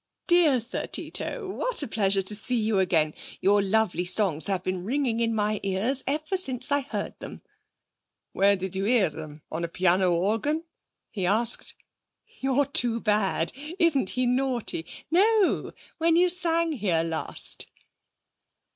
'Dear Sir Tito, what a pleasure to see you again! Your lovely songs have been ringing in my ears ever since I heard them!' 'Where did you hear them? On a piano organ?' he asked. 'You're too bad! Isn't he naughty? No, when you sang here last.'